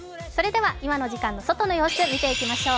今の時間の空の様子見ていきましょう。